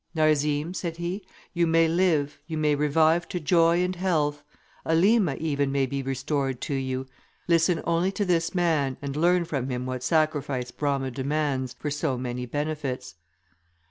"Narzim," said he, "you may live, you may revive to joy and health; Elima, even, may be restored to you. Listen only to this man, and learn from him what sacrifice Brama demands for so many benefits."